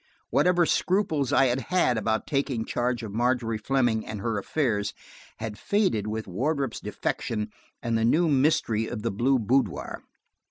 Whatever scruples I had had about taking charge of Margery Fleming and her affairs, had faded with Wardrop's defection and the new mystery of the blue boudoir.